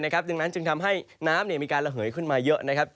ดังนั้นจึงทำให้น้ำมีการระเหยขึ้นมาเยอะนะครับ